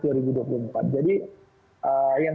jadi yang saya cakap